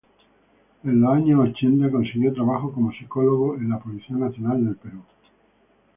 En los años ochenta consiguió trabajo como psicólogo en la Policía Nacional del Perú.